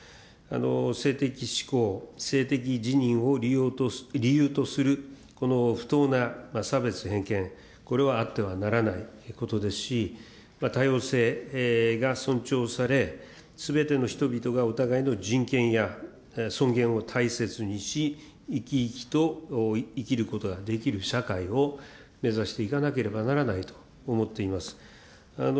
性的指向、性的自認を理由とするこの不当な差別偏見、これはあってはならないことですし、多様性が尊重され、すべての人々がお互いの人権や尊厳を大切にし、生き生きと生きることができる社会を目指していかなければならないと思っています。